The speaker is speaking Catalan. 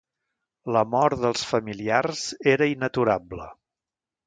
La mort dels familiars era inaturable.